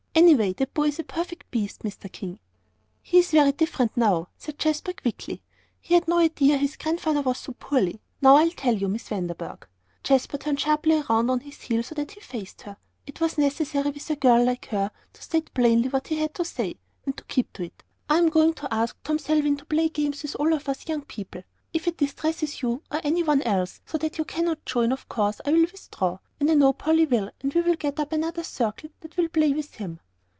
Anyway that boy is a perfect beast, Mr. King." "He's very different now," said Jasper, quickly. "He had no idea his Grandfather was so poorly. Now I'll tell you, Miss Vanderburgh," Jasper turned sharply around on his heel so that he faced her. It was necessary with a girl like her to state plainly what he had to say, and to keep to it. "I am going to ask Tom Selwyn to play games with all us young people. If it distresses you, or any one else, so that you cannot join, of course I will withdraw, and I know Polly will, and we will get up another circle that will play with him."